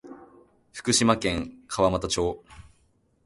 福島県川俣町